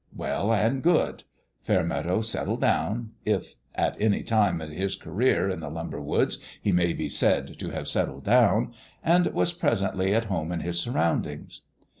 Well and good ! Fairmeadow settled down if at any time of his career in the lumber woods he may be said to have settled down and was presently at home in his surroundings.